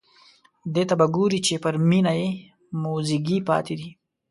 دې ته به ګوري چې پر مېنه یې موزیګی پاتې دی.